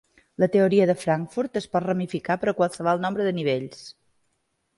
La teoria de Frankfurt es pot ramificar per a qualsevol nombre de nivells.